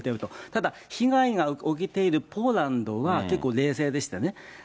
ただ、被害が起きているポーランドは結構冷静でしたね。